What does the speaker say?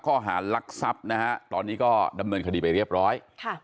ข้อหารลักทรัพย์นะฮะตอนนี้ก็ดำเนินคดีไปเรียบร้อยค่ะ